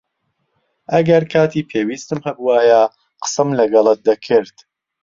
ئەگەر کاتی پێویستم هەبووایە، قسەم لەگەڵت دەکرد.